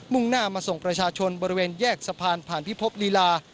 ่งหน้ามาส่งประชาชนบริเวณแยกสะพานผ่านพิภพลีลา